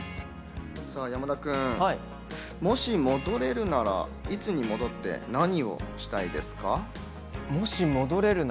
山田君、もし戻れるなら、いつに戻って、何をしたいですか？